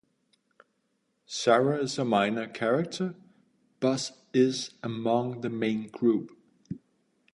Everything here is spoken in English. Sara is a minor character but is among the main group.